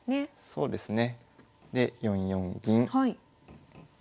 そうですね。